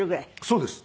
そうです。